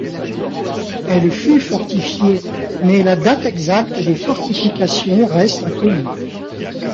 Elle fut fortifiée mais la date exacte des fortifications reste inconnue.